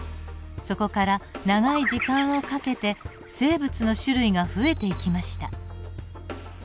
そこから長い時間をかけて生物の種類が増えていきました。